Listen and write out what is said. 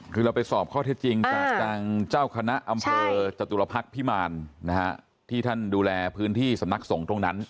คือเราไปสอบข้อเท็จจริงจากทางเจ้าคณะอำเภอจตุรพักษ์พิมารที่ท่านดูแลพื้นที่สำนักสงฆ์ตรงนั้น